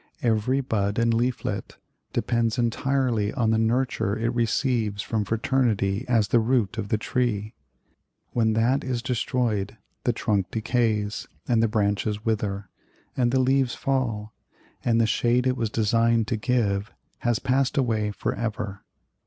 Every bud and leaflet depends entirely on the nurture it receives from fraternity as the root of the tree. When that is destroyed, the trunk decays, and the branches wither, and the leaves fall; and the shade it was designed to give has passed away for ever.